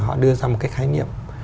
họ đưa ra một cái khái niệm